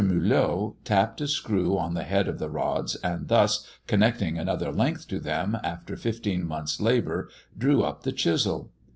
Mulot tapped a screw on the head of the rods, and thus, connecting another length to them, after fifteen months' labour, drew up the chisel!